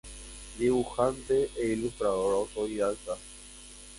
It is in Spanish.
Dibujante e ilustrador autodidacta.